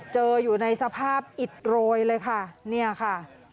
อยู่ในสภาพอิดโรยเลยค่ะเนี่ยค่ะ